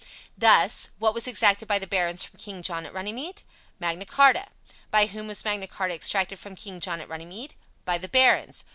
Thus, "What was exacted by the barons from King John at Runnymede?" "Magna Charta." "By whom was Magna Charta exacted from King John at Runnymede?" "By the barons."